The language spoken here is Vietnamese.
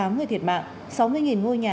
hai mươi tám người thiệt mạng sáu mươi ngôi nhà